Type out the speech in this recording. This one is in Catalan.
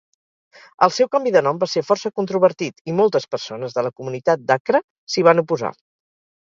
El seu canvi de nom va ser força controvertit i moltes persones de la comunitat d'Accra s'hi van oposar.